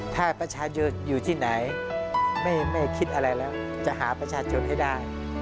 ถ้าประชาชนอยู่ที่ไหนไม่คิดอะไรแล้วจะหาประชาชนให้ได้